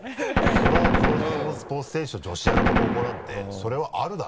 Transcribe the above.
そりゃプロスポーツ選手と女子アナの合コンなんてそれはあるだろ。